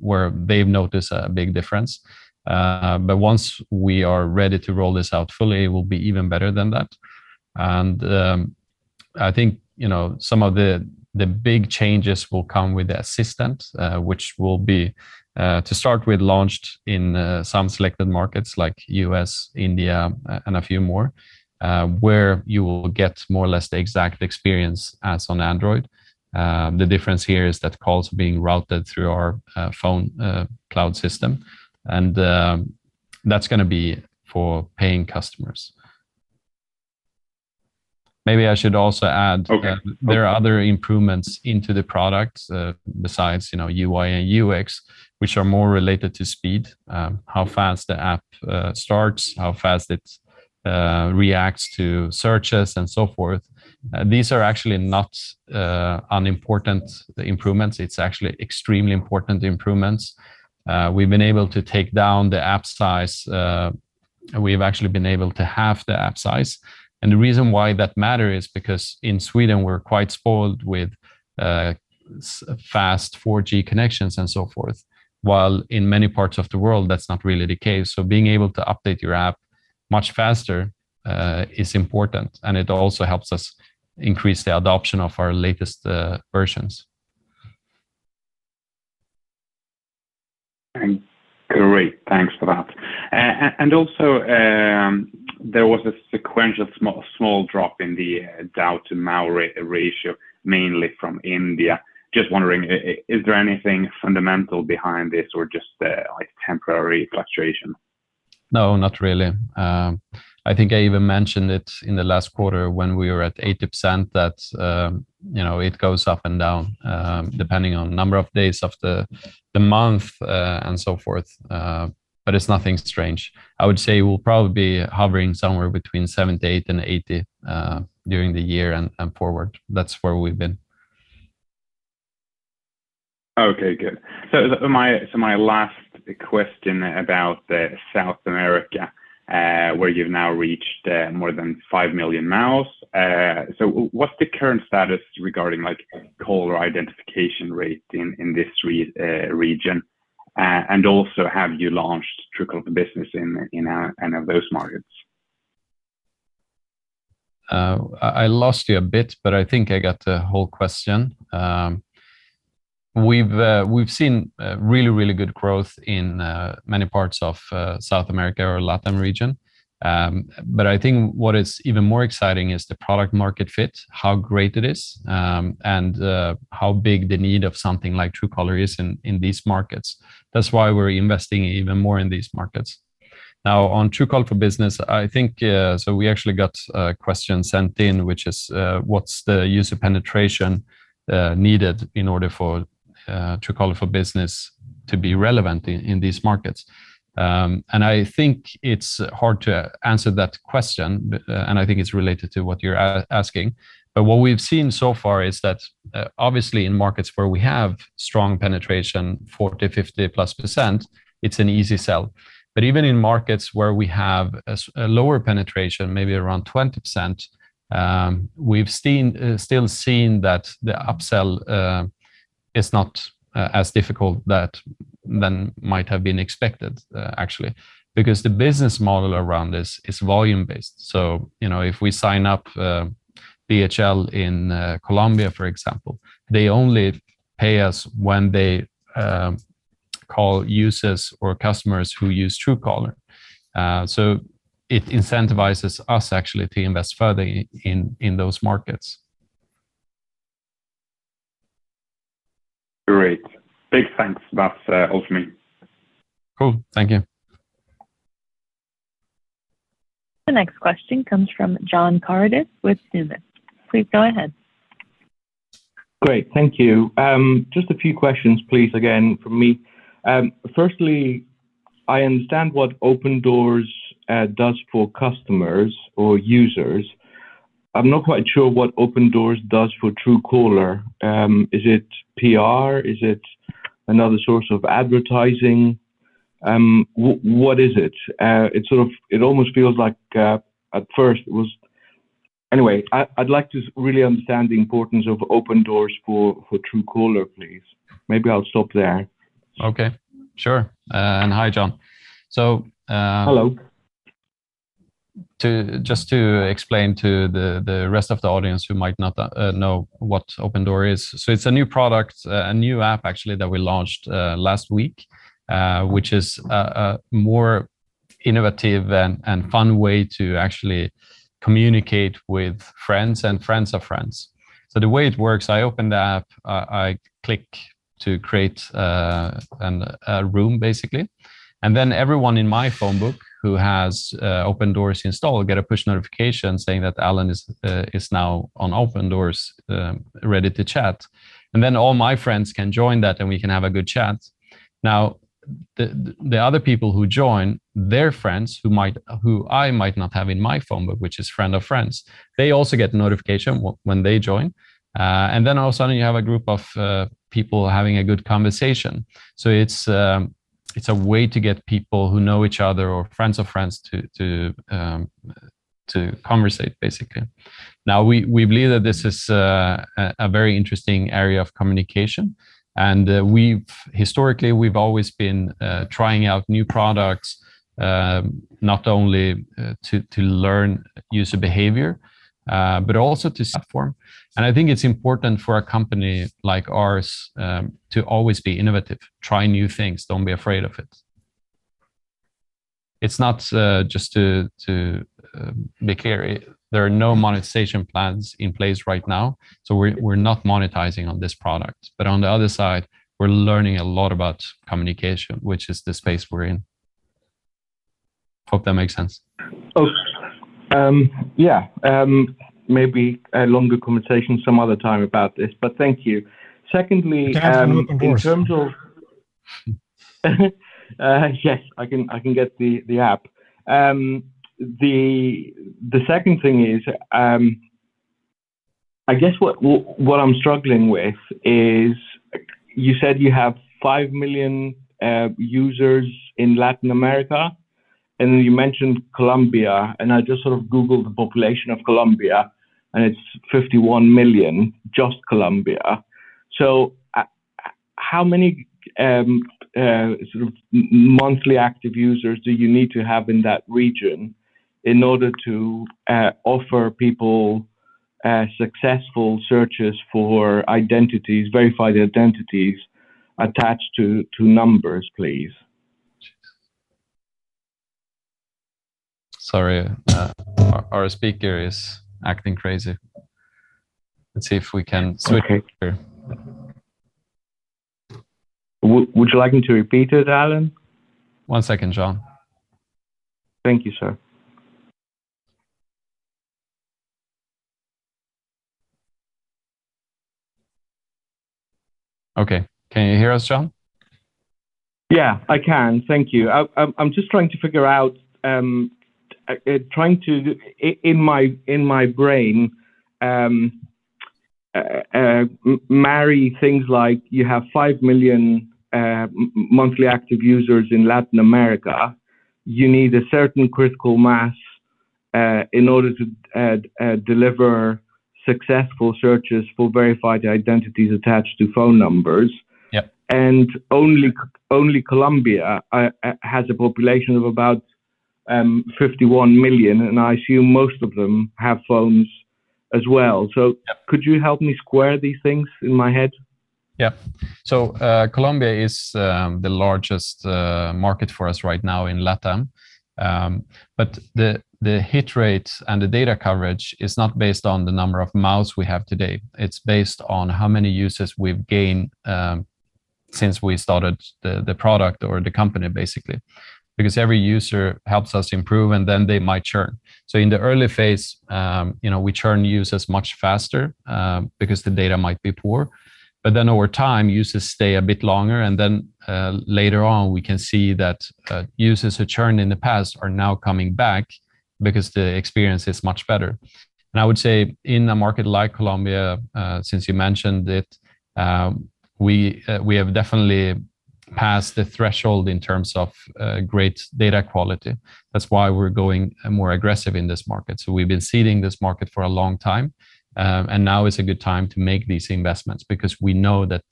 where they've noticed a big difference. Once we are ready to roll this out fully, it will be even better than that. I think, you know, some of the big changes will come with the assistant, which will be to start with, launched in some selected markets like U.S., India, and a few more, where you will get more or less the exact experience as on Android. The difference here is that calls are being routed through our phone cloud system, and that's gonna be for paying customers. Maybe I should also add.
Okay.
There are other improvements into the product, besides, you know, UI and UX, which are more related to speed, how fast the app starts, how fast it reacts to searches, and so forth. These are actually not unimportant improvements. It's actually extremely important improvements. We've been able to take down the app size. We've actually been able to half the app size, and the reason why that matter is because in Sweden, we're quite spoiled with fast 4G connections and so forth, while in many parts of the world, that's not really the case. Being able to update your app much faster is important, and it also helps us increase the adoption of our latest versions.
Great. Thanks for that. There was a sequential small drop in the DAU/MAU ratio, mainly from India. Just wondering, is there anything fundamental behind this or just a, like, temporary fluctuation?
No, not really. I think I even mentioned it in the last quarter when we were at 80% that, you know, it goes up and down, depending on number of days of the month, and so forth. It's nothing strange. I would say we'll probably be hovering somewhere between 78%-80% during the year and forward. That's where we've been.
Okay, good. My last question about South America, where you've now reached more than 5 million MAUs. What's the current status regarding like caller identification rate in this region? Also, have you launched Truecaller for Business in any of those markets?
I lost you a bit, but I think I got the whole question. We've seen really good growth in many parts of South America, our LatAm region. I think what is even more exciting is the product market fit, how great it is, and how big the need of something like Truecaller is in these markets. That's why we're investing even more in these markets. Now, on Truecaller for Business, I think we actually got a question sent in, which is, what's the user penetration needed in order for Truecaller for Business to be relevant in these markets. I think it's hard to answer that question, and I think it's related to what you're asking. What we've seen so far is that, obviously in markets where we have strong penetration, 40%-50%+, it's an easy sell. Even in markets where we have a lower penetration, maybe around 20%, we've still seen that the upsell is not as difficult as might have been expected, actually. Because the business model around this is volume-based. You know, if we sign up DHL in Colombia, for example, they only pay us when they call users or customers who use Truecaller. It incentivizes us actually to invest further in those markets.
Great. Big thanks. That's all for me.
Cool. Thank you.
The next question comes from John Karidis with Numis. Please go ahead.
Great. Thank you. Just a few questions, please, again from me. Firstly, I understand what Open Doors does for customers or users. I'm not quite sure what Open Doors does for Truecaller. Is it PR? Is it another source of advertising? What is it? Anyway, I'd like to really understand the importance of Open Doors for Truecaller, please. Maybe I'll stop there.
Okay, sure. Hi, John.
Hello.
Just to explain to the rest of the audience who might not know what Open Doors is. It's a new product, a new app actually that we launched last week, which is a more innovative and fun way to actually communicate with friends and friends of friends. The way it works, I open the app, I click to create a room, basically. Then everyone in my phone book who has Open Doors installed will get a push notification saying that Alan is now on Open Doors, ready to chat. All my friends can join that, and we can have a good chat. Now, the other people who join, their friends who I might not have in my phone book, which is friends of friends, they also get notification when they join. And then all of a sudden you have a group of people having a good conversation. It's a way to get people who know each other or friends of friends to conversate, basically. Now, we believe that this is a very interesting area of communication. Historically, we've always been trying out new products, not only to learn user behavior, but also to platform. I think it's important for a company like ours to always be innovative, try new things, don't be afraid of it. It's not just to be clear, there are no monetization plans in place right now, so we're not monetizing on this product. On the other side, we're learning a lot about communication, which is the space we're in. Hope that makes sense.
Yeah. Maybe a longer conversation some other time about this, but thank you. Secondly,
You can.
In terms of yes, I can get the app. The second thing is, I guess what I'm struggling with is you said you have 5 million users in Latin America, and then you mentioned Colombia, and I just sort of googled the population of Colombia, and it's 51 million, just Colombia. How many sort of monthly active users do you need to have in that region in order to offer people successful searches for identities, verified identities attached to numbers, please?
Sorry, our speaker is acting crazy. Let's see if we can switch here.
Would you like me to repeat it, Alan?
One second, John.
Thank you, sir.
Okay. Can you hear us, John?
Yeah, I can. Thank you. I'm just trying to figure out, in my brain, marry things like you have 5 million monthly active users in Latin America. You need a certain critical mass in order to deliver successful searches for verified identities attached to phone numbers.
Yep.
Only Colombia has a population of about 51 million, and I assume most of them have phones as well. Could you help me square these things in my head?
Colombia is the largest market for us right now in LatAm. But the hit rate and the data coverage is not based on the number of MAUs we have today. It's based on how many users we've gained since we started the product or the company, basically. Because every user helps us improve, and then they might churn. In the early phase, you know, we churn users much faster because the data might be poor. But then over time, users stay a bit longer, and then later on, we can see that users who churned in the past are now coming back because the experience is much better. I would say in a market like Colombia, since you mentioned it, we have definitely passed the threshold in terms of great data quality. That's why we're going more aggressive in this market. We've been seeding this market for a long time, and now is a good time to make these investments because we know that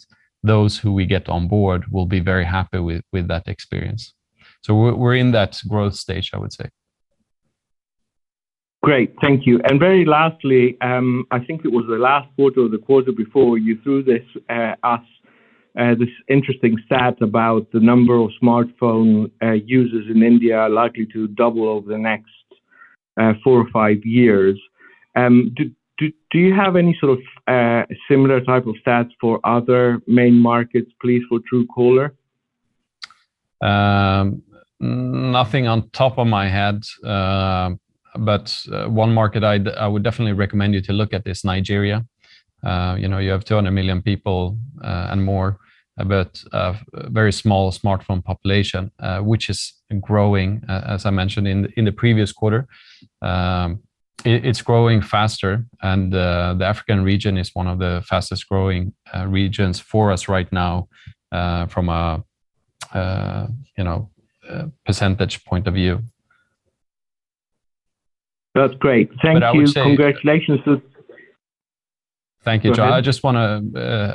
those who we get on board will be very happy with that experience. We're in that growth stage, I would say.
Great. Thank you. Very lastly, I think it was the last quarter or the quarter before you threw this at us this interesting stat about the number of smartphone users in India are likely to double over the next four or five years. Do you have any sort of similar type of stats for other main markets, please, for Truecaller?
Nothing off the top of my head. One market I would definitely recommend you to look at is Nigeria. You know, you have 200 million people, and more, but a very small smartphone population, which is growing, as I mentioned in the previous quarter. It's growing faster and the African region is one of the fastest growing regions for us right now, from a, you know, a percentage point of view.
That's great.
I would say.
Thank you. Congratulations...
Thank you, John. I just wanna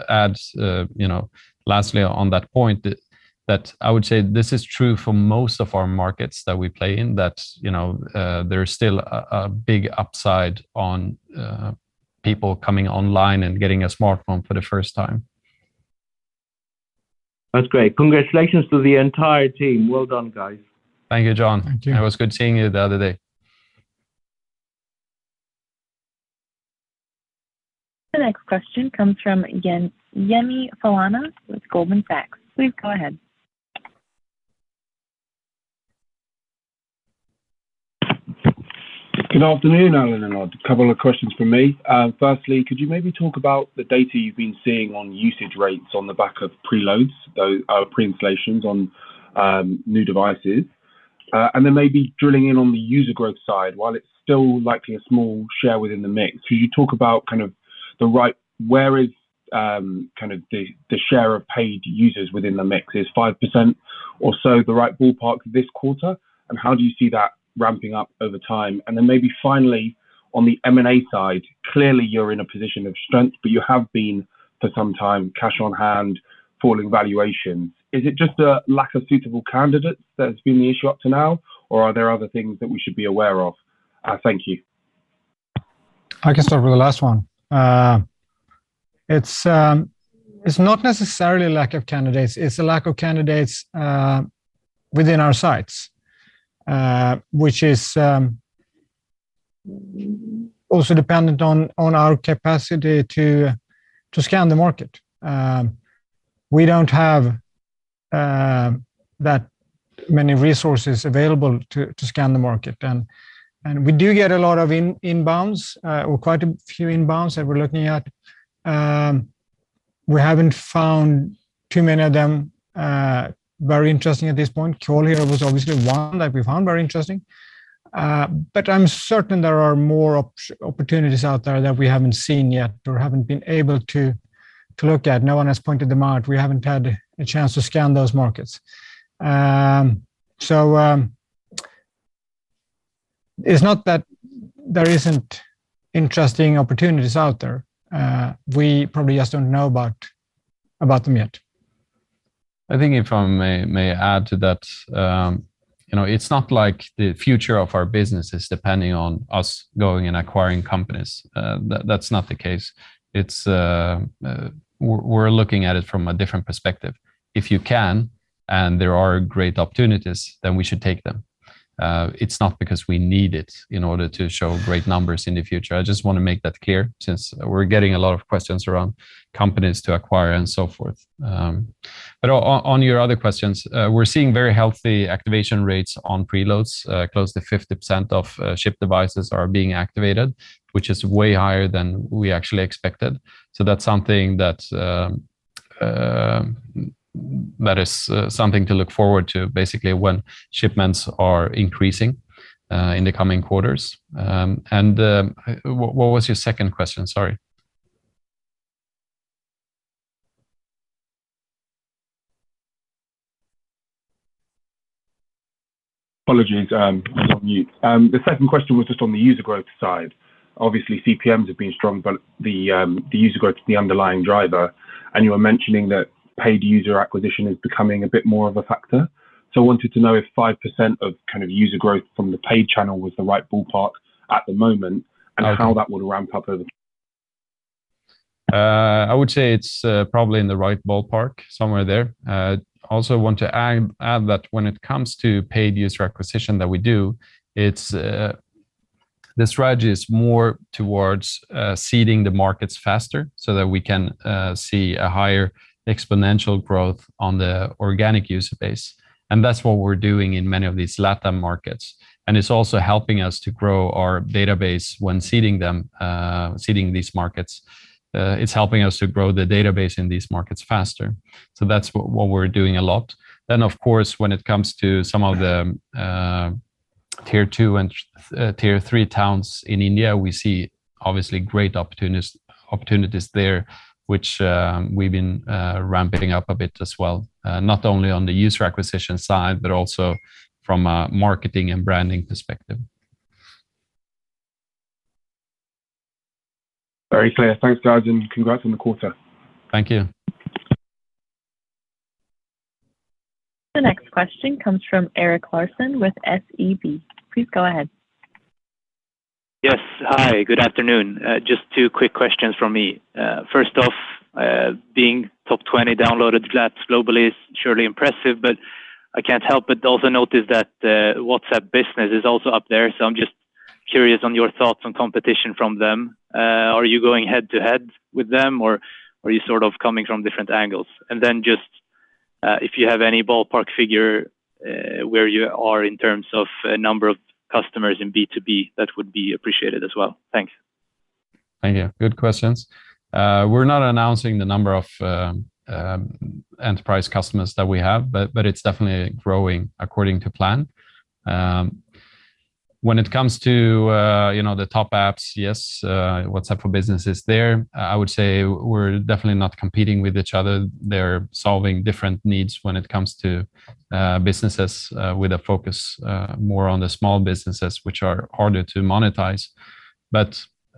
add, you know, lastly on that point that I would say this is true for most of our markets that we play in, that, you know, there is still a big upside on people coming online and getting a smartphone for the first time.
That's great. Congratulations to the entire team. Well done, guys.
Thank you, John.
Thank you.
It was good seeing you the other day.
The next question comes from Yemi Falana with Goldman Sachs. Please go ahead.
Good afternoon, Alan and Odd. A couple of questions from me. Firstly, could you maybe talk about the data you've been seeing on usage rates on the back of preloads, though pre-installations on new devices? Then maybe drilling in on the user growth side, while it's still likely a small share within the mix. Can you talk about where is kind of the share of paid users within the mix? Is 5% or so the right ballpark this quarter? How do you see that ramping up over time? Maybe finally, on the M&A side, clearly you're in a position of strength, but you have been for some time, cash on hand, falling valuations. Is it just a lack of suitable candidates that has been the issue up to now, or are there other things that we should be aware of? Thank you.
I can start with the last one. It's not necessarily lack of candidates. It's a lack of candidates within our sights, which is also dependent on our capacity to scan the market. We don't have that many resources available to scan the market. We do get a lot of inbounds or quite a few inbounds that we're looking at. We haven't found too many of them very interesting at this point. CallHero was obviously one that we found very interesting. I'm certain there are more opportunities out there that we haven't seen yet or haven't been able to look at. No one has pointed them out. We haven't had a chance to scan those markets. It's not that there isn't interesting opportunities out there. We probably just don't know about them yet.
I think if I may add to that. You know, it's not like the future of our business is depending on us going and acquiring companies. That's not the case. We're looking at it from a different perspective. If you can and there are great opportunities, then we should take them. It's not because we need it in order to show great numbers in the future. I just wanna make that clear, since we're getting a lot of questions around companies to acquire and so forth. On your other questions, we're seeing very healthy activation rates on preloads. Close to 50% of shipped devices are being activated, which is way higher than we actually expected. That's something that is something to look forward to basically when shipments are increasing in the coming quarters. What was your second question? Sorry.
Apologies. On mute. The second question was just on the user growth side. Obviously, CPMs have been strong, but the user growth is the underlying driver, and you were mentioning that paid user acquisition is becoming a bit more of a factor. I wanted to know if 5% of kind of user growth from the paid channel was the right ballpark at the moment.
Okay.
How that would ramp up over?
I would say it's probably in the right ballpark, somewhere there. Also want to add that when it comes to paid user acquisition that we do, it's the strategy is more towards seeding the markets faster so that we can see a higher exponential growth on the organic user base. That's what we're doing in many of these LatAm markets. It's also helping us to grow our database when seeding them, seeding these markets. It's helping us to grow the database in these markets faster. That's what we're doing a lot. Of course, when it comes to some of the tier two and tier three towns in India, we see obviously great opportunities there, which we've been ramping up a bit as well, not only on the user acquisition side, but also from a marketing and branding perspective.
Very clear. Thanks, guys, and congrats on the quarter.
Thank you.
The next question comes from Erik Larsson with SEB. Please go ahead.
Yes. Hi, good afternoon. Just two quick questions from me. First off, being top 20 downloaded apps globally is surely impressive, but I can't help but also notice that, WhatsApp Business is also up there, so I'm just curious on your thoughts on competition from them. Are you going head-to-head with them or are you sort of coming from different angles? Just, if you have any ballpark figure, where you are in terms of number of customers in B2B, that would be appreciated as well. Thanks.
Thank you. Good questions. We're not announcing the number of enterprise customers that we have, but it's definitely growing according to plan. When it comes to you know the top apps, yes, WhatsApp Business is there. I would say we're definitely not competing with each other. They're solving different needs when it comes to businesses with a focus more on the small businesses which are harder to monetize.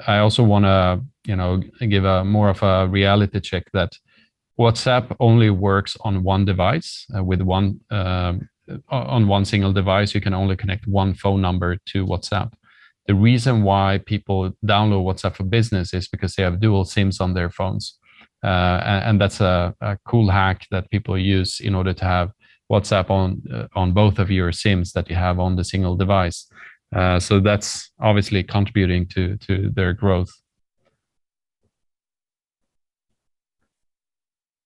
I also wanna you know give a more of a reality check that WhatsApp only works on one device with one on one single device. You can only connect one phone number to WhatsApp. The reason why people download WhatsApp Business is because they have dual SIMs on their phones. That's a cool hack that people use in order to have WhatsApp on both of your SIMs that you have on the single device. That's obviously contributing to their growth.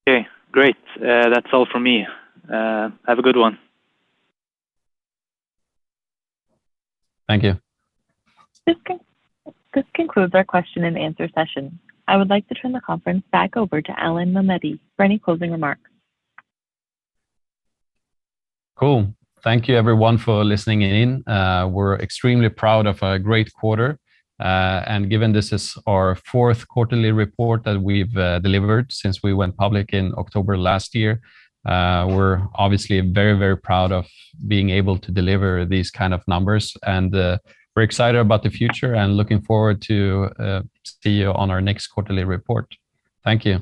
Okay, great. That's all from me. Have a good one.
Thank you.
This concludes our question-and-answer session. I would like to turn the conference back over to Alan Mamedi for any closing remarks.
Cool. Thank you everyone for listening in. We're extremely proud of a great quarter. Given this is our fourth quarterly report that we've delivered since we went public in October last year, we're obviously very, very proud of being able to deliver these kind of numbers. We're excited about the future and looking forward to see you on our next quarterly report. Thank you.